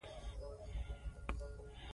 تاریخ د افغان تاریخ په کتابونو کې ذکر شوی دي.